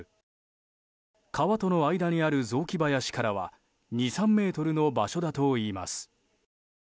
川との間にある雑木林からは２３ｍの場所だといいます。